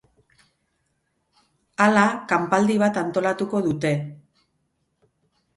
Hala, kanpaldi bat antolatuko dute.